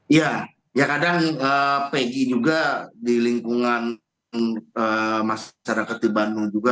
iya ya kadang peggy juga di lingkungan masyarakat di bandung juga